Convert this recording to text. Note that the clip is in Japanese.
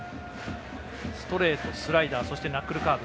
ストレート、スライダーそしてナックルカーブ。